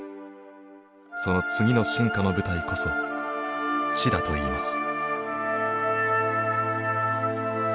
その次の進化の舞台こそ「知」だといいます。